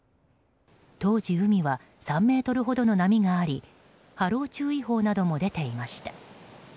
当時、海は３ｍほどの波があり波浪注意報なども出ていました。